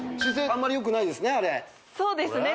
あんまりよくないですね